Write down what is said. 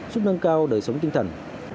giúp nâng cao đời sống tinh thần